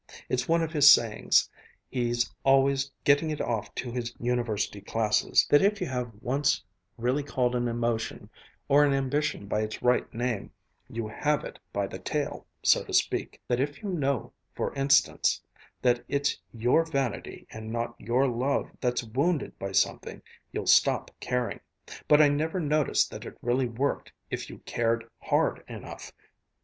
It's one of his sayings he's always getting it off to his University classes that if you have once really called an emotion or an ambition by its right name, you have it by the tail, so to speak that if you know, for instance, that it's your vanity and not your love that's wounded by something, you'll stop caring. But I never noticed that it really worked if you cared hard enough.